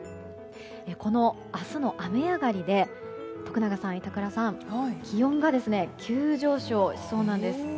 この明日の雨上がりで徳永さん、板倉さん気温が急上昇しそうなんです。